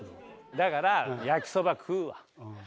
だから焼きそば食うわ。